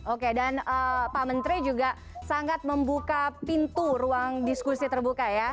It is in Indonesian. oke dan pak menteri juga sangat membuka pintu ruang diskusi terbuka ya